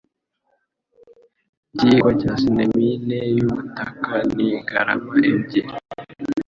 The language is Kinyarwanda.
Ikiyiko cya cinamine y'ubutaka ni garama ebyiri.